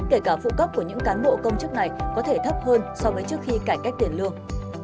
kể cả phụ cấp của những cán bộ công chức này có thể thấp hơn so với trước khi cải cách tiền lương